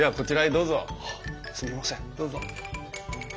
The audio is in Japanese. どうぞ。